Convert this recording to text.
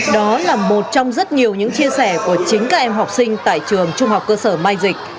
đó là một trong rất nhiều những chia sẻ của chính các em học sinh tại trường trung học cơ sở mai dịch